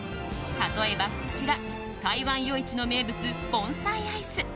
例えば、こちら台湾夜市の名物盆栽アイス。